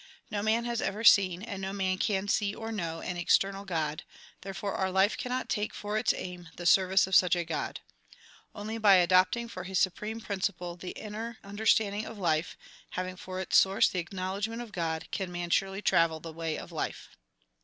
No man has ever seen, and no man can see or know, an external God ; therefore our life cannot take for its aim the service of such a God. Only by adopting for his supreme principle the inner understanding of life, havmg for its source the acknowledgment of God, can man surely travel the way of life.